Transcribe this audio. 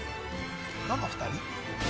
どの２人？